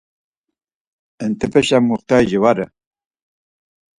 Entepeşa muxtiyaci va re.